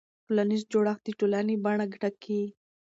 ټولنیز جوړښت د ټولنې بڼه ټاکي.